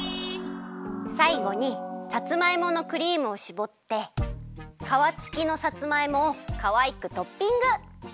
さいごにさつまいものクリームをしぼってかわつきのさつまいもをかわいくトッピング！